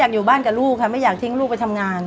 อย่าอยู่บ้านกับลูกไม่ทิ้งลูกไปทำงาน